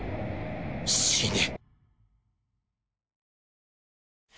死ね！